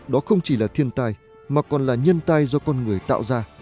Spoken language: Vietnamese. đó không chỉ là thiên tai mà còn là nhân tai do con người tạo ra